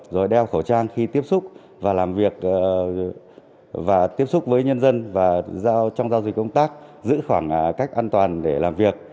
rồi đeo khẩu trang khi tiếp xúc và làm việc và tiếp xúc với nhân dân và giao trong giao dịch công tác giữ khoảng cách an toàn để làm việc